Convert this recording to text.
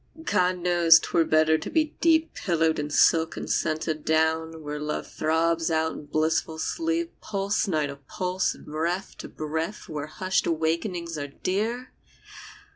God knows 'twere better to be deep Pillowed in silk and scented down, Where Love throbs out in blissful sleep, Pulse nigh to pulse, and breath to breath, Where hushed awakenings are dear